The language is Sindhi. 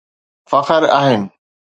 فخر آهن